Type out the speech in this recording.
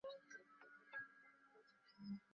তুমি ল্যাপ্রেকন নও!